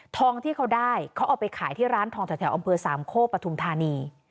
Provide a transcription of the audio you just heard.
ที่เขาได้เขาเอาไปขายที่ร้านทองแถวอำเภอสามโคกปฐุมธานี